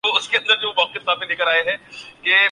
اس بارے ذہنوں میں کوئی نقشہ نہیں۔